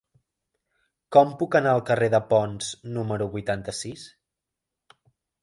Com puc anar al carrer de Ponts número vuitanta-sis?